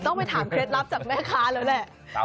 ไปถามเคล็ดลับจากแม่ค้าแล้วแหละ